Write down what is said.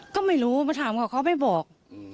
ก็ไม่รู้มาถามเขาเขาไม่บอก